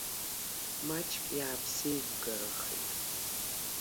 Маҷк иааԥсеивгарахеит.